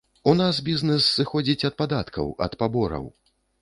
У нас бізнэс сыходзіць ад падаткаў, ад пабораў.